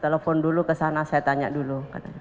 telepon dulu kesana saya tanya dulu